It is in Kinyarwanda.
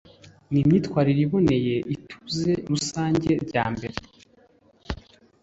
n imyitwarire iboneye ituze rusange ryambere